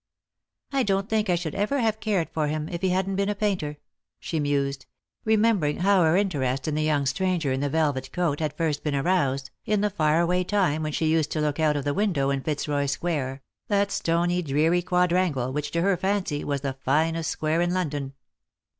" I don't think I should ever have cared for him if he hadn't been a painter," she mused, remembering how her interest in the young stranger in the velvet coat had first been aroused, in the far away time when she used to look out of the window in Fitzroy square, that stony dreary quadrangle which to her fancy was the finest square in London.